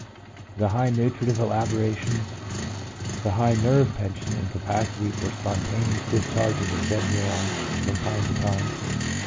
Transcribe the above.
the high nutritive elaboration, the high ' nerve tension ' and capacity for spontaneous discharge of the said neurons, from time to time."